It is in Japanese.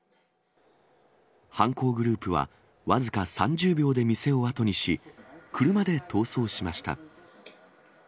犯行グループは、僅か３０秒で店を後にし、車で逃走しました。